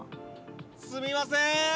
・すみません！